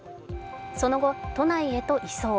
その後、都内へと移送。